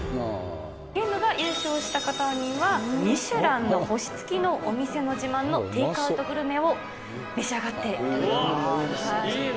ゲームが優勝した方には、ミシュランの星つきのお店の自慢のテイクアウトグルメを召し上がいいね。